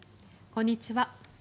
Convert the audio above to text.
こんにちは。